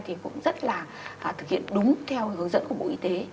thì cũng rất là thực hiện đúng theo hướng dẫn của bộ y tế